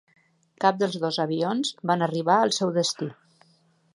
Cap dels dos avions van arribar al seu destí.